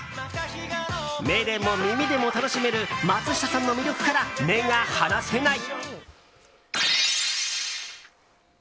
目でも耳でも楽しめる松下さんの魅力から目が離せない。